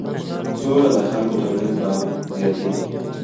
سوله د خلکو ترمنځ باور زیاتوي.